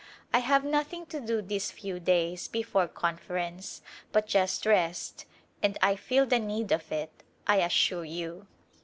I have nothing to do these ^qw days before Confer ence but just rest and I feel the need of it, I assure you.